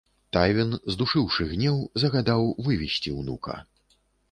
Тайвін, здушыўшы гнеў, загадаў вывесці ўнука.